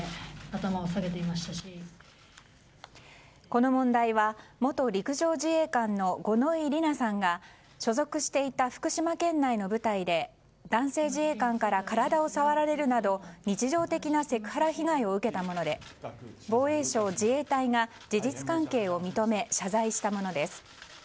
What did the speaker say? この問題は元陸上自衛官の五ノ井里奈さんが所属していた福島県内の部隊で男性自衛官から体を触られるなど日常的なセクハラ被害を受けたもので防衛省自衛隊が事実関係を認め謝罪したものです。